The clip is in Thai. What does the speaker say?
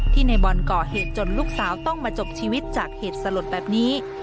ในบอลก่อเหตุจนลูกสาวต้องมาจบชีวิตจากเหตุสลดแบบนี้